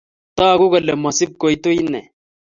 Taguu kole mashipkoitu ine